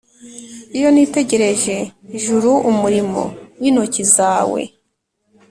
Iyo nitegereje ijuru umurimo w intoki zawe